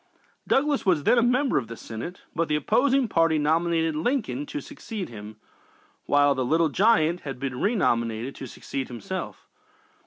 Douglas was then a member of the Senate, but the opposing party nominated Lincoln to succeed him, while "the Little Giant" had been renominated to succeed himself.